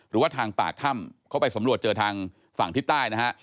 หรือว่าทางปากถ้ำเข้าไปสำรวจเจอทางฝั่งทิศใต้นะฮะ